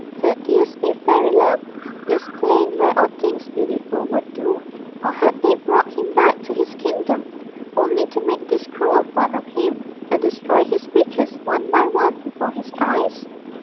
Could this be Fairyland, this plain where all things beautiful were doomed or had they brought him back to his kingdom only to make this cruel fun of him, and destroy his riches one by one before his eyes?